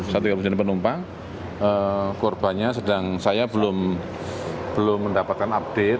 satu yang berjalan penumpang korbannya sedang saya belum mendapatkan update